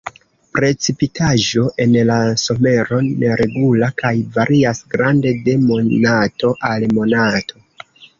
Precipitaĵo en la somero neregula kaj varias grande de monato al monato.